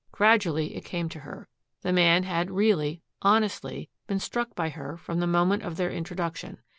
Gradually it came to her. The man had really, honestly been struck by her from the moment of their introduction.